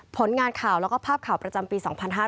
ผลงานข่าวแล้วก็ภาพข่าวประจำปี๒๕๕๙